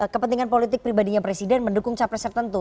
kepentingan politik pribadinya presiden mendukung capreser tentu